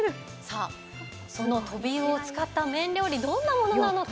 そのトビウオを使った麺料理どんなものなのか。